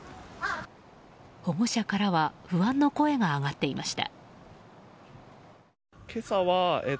保護者からは不安の声が上がっていました。